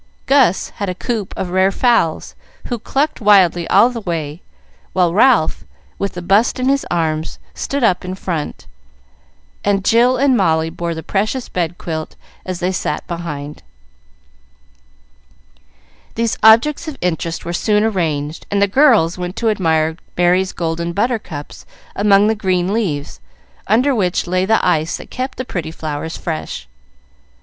Gus had a coop of rare fowls, who clucked wildly all the way, while Ralph, with the bust in his arms, stood up in front, and Jill and Molly bore the precious bedquilt, as they sat behind. These objects of interest were soon arranged, and the girls went to admire Merry's golden butter cups among the green leaves, under which lay the ice that kept the pretty flowers fresh.